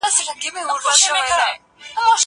ايا ته پلان جوړوې،